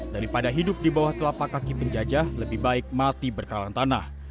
daripada hidup di bawah telapak kaki penjajah lebih baik mati berkalan tanah